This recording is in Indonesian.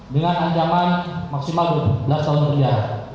dengan ancaman maksimal dua belas tahun penjara